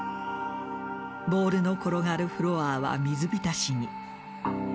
ボールの転がるフロアは水浸しに。